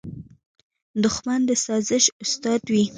دښمن د سازش استاد وي